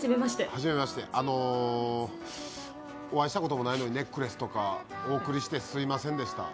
あの、お会いしたこともないのにネックレスとかお送りしてすいませんでした。